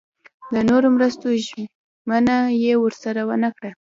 د نورو مرستو ژمنه یې ورسره ونه کړه.